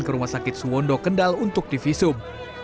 ke rumah sakit suwondo kendal untuk divisum